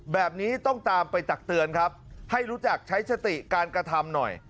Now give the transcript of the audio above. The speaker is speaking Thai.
แบบนี้ต้องตามไปตักเตือนครับให้รู้จักใช้สติการกระทำหน่อย